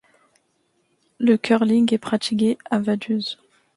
Le curling est pratiqué à Vaduz.